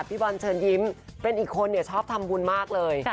พี่บอลเชิญยิ้มเป็นอีกคนชอบทำบุญมากเลย